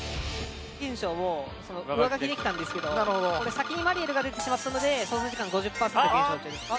減少を上書きできたんですけどこれ先にマリエルが出てしまったので操作時間５０パーセント減少という。